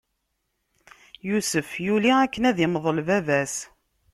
Yusef yuli akken ad imḍel baba-s.